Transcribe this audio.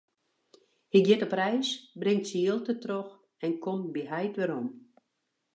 Hy giet op reis, bringt syn jild dertroch en komt by heit werom.